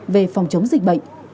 về phòng chống dịch bệnh